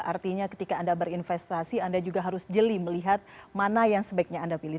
artinya ketika anda berinvestasi anda juga harus jeli melihat mana yang sebaiknya anda pilih